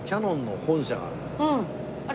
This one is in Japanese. あれ？